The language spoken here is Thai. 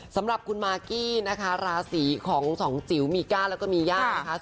สำหรับคุณมากกี้นะคะราศีของสองจิ๋วมีก้าแล้วก็มีย่านะคะ